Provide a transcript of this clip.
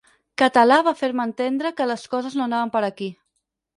Català va fer-me entendre que les coses no anaven per aquí.